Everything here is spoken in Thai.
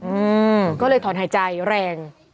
อืมก็เลยถอนหายใจแรง